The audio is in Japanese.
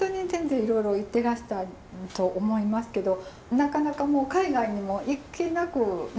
いろいろ行ってらしたと思いますけどなかなか海外にも行けなくね